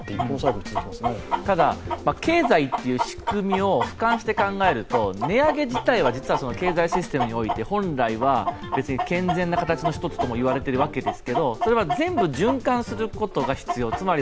経済っていう仕組みをふかんして考えると、値上げ自体は実は経済システムにおいて本来は健全な形の一つともいわれているわけですけどそれは全部、循環することが必要。